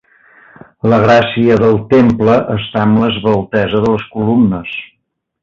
La gràcia del temple està en l'esveltesa de les columnes.